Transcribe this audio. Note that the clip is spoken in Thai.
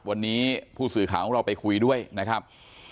วันนี้ผู้สื่อข่าวของเราไปคุยด้วยนะครับ